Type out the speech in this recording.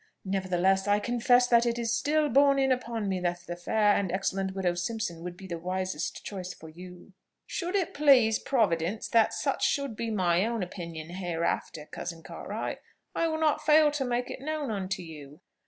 Nevertheless, I confess that it is still borne in upon me that the fair and excellent widow Simpson would be the wisest choice for you." "Should it please Providence that such should be my own opinion hereafter, cousin Cartwright, I will not fail to make it known unto you."